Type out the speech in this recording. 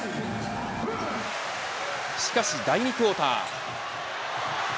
しかし、第２クオーター。